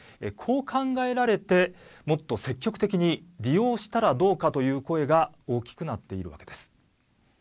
こう考えられて、もっと積極的に利用したらどうかという声が大きくなっているわけです。